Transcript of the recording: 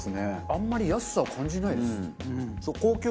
あんまり安さを感じないです。